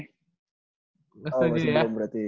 oh masih belum berarti